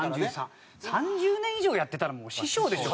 ３０年以上やってたらもう師匠でしょ。